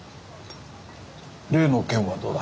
例の件はどうだ？